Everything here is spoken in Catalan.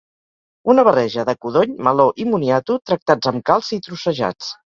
Una barreja de codony, meló i moniato tractats amb calç i trossejats.